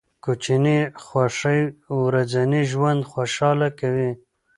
کوچني خوښۍ ورځنی ژوند خوشحاله کوي.